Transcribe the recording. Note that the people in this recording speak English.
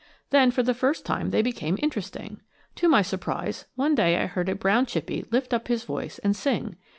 Then for the first time they became interesting! To my surprise, one day I heard a brown chippie lift up his voice and sing.